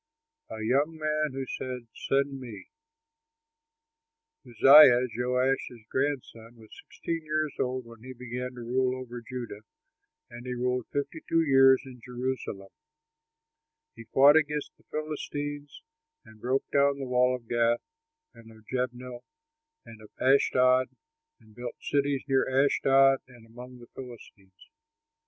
A YOUNG MAN WHO SAID, "SEND ME" Uzziah, Joash's grandson, was sixteen years old when he began to rule over Judah and he ruled fifty two years in Jerusalem. He fought against the Philistines, and broke down the wall of Gath and of Jabneh and of Ashdod and built cities near Ashdod and among the Philistines.